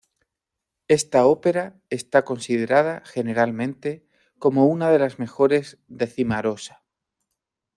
Esta ópera está considerada generalmente como una de las mejores de Cimarosa.